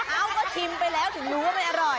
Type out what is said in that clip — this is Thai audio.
เอ้าก็ชิมไปแล้วถึงรู้ว่าไม่อร่อย